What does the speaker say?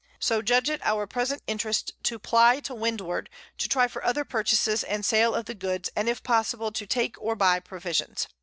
So judge it our present Interest to ply to Windward, to try for other Purchases and Sale of the Goods, and if possible to take or buy Provisions.